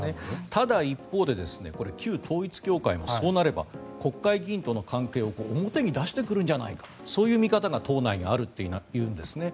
ただ、一方でこれ、旧統一教会もそうなれば国会議員との関係を表に出してくるんじゃないかそういう見方が党内にあるというんですね。